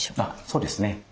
そうですね